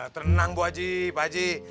tenang bu haji pak haji